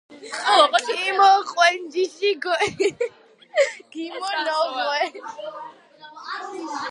კინოჸვენჯიში გიმო ნოღვე